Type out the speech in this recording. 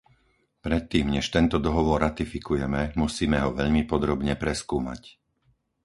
Predtým, než tento dohovor ratifikujeme, musíme ho veľmi podrobne preskúmať.